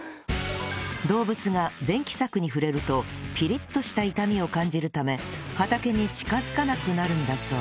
動物が電気柵に触れるとピリッとした痛みを感じるため畑に近づかなくなるんだそう